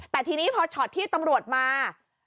แต่ทีนี้พอช็อตที่ตำรวจมา